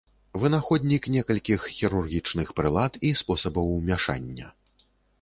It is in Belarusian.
Вынаходнік некалькіх хірургічных прылад і спосабаў умяшання.